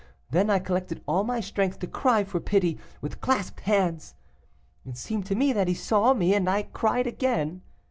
Then I collected all my strength to cry for pity, with clasped hands. It seemed to me that he saw me, and I cried again.